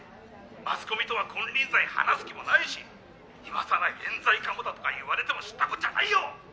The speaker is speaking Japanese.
マスコミとは金輪際話す気もないし今更えん罪かもだとか言われても知ったこっちゃないよ！